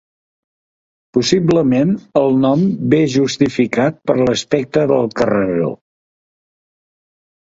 Possiblement el nom ve justificat per l'aspecte del carreró.